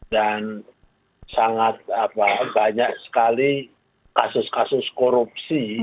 dan sangat banyak sekali kasus kasus korupsi